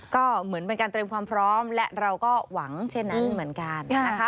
ก็เหมือนเป็นการเตรียมความพร้อมและเราก็หวังเช่นนั้นเหมือนกันนะคะ